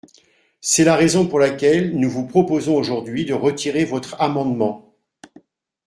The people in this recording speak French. C’est la raison pour laquelle nous vous proposons aujourd’hui de retirer votre amendement.